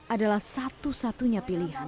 adalah satu satunya pilihan